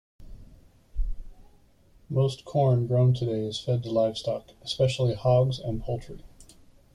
Most corn grown today is fed to livestock, especially hogs and poultry.